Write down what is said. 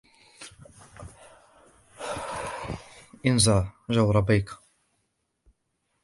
انزع جوربيك.